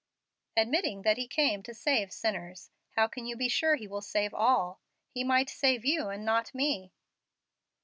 "Admitting that He came to save sinners, how can you be sure He will save all? He might save you and not me."